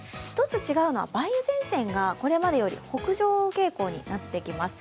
１つ違うのは梅雨前線がこれまでより北上傾向になってきます。